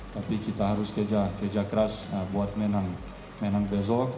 tapi kita harus kerja keras buat menang besok